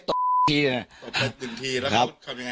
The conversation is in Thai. แล้วเขาทำยังไงครับ